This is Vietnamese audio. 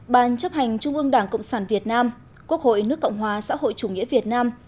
ban chấp hành trung ương đảng cộng sản việt nam quốc hội nước cộng hòa xã hội chủ nghĩa việt nam